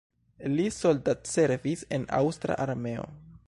Li soldatservis en aŭstra armeo.